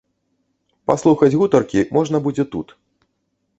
Паслухаць гутаркі можна будзе тут.